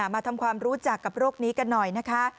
มาทำความรู้จักกับโรคนี้กันหน่อยนะคะ